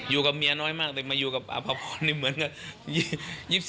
อยู่กับเมียน้อยมากแต่มาอยู่กับอภพรนี่เหมือนกัน